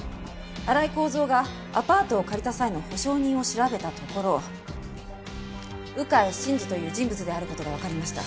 荒井孝蔵がアパートを借りた際の保証人を調べたところ鵜飼慎司という人物である事がわかりました。